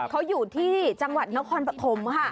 เขาอยู่ที่จังหวัดนครปฐมค่ะ